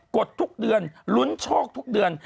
ดทุกเดือนลุ้นโชคทุกเดือน